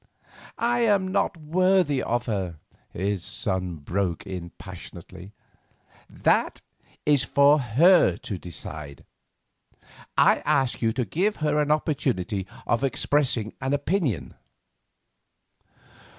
"I am not worthy of her," his son broke in passionately. "That is for her to decide. I ask you to give her an opportunity of expressing an opinion."